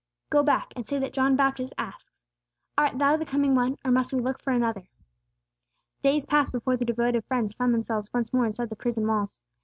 "Go back, and say that John Baptist asks, 'Art Thou the Coming One, or must we look for another?'" Days passed before the devoted friends found themselves once more inside the prison walls.